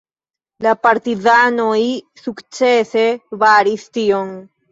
La partizanoj sukcese baris tion.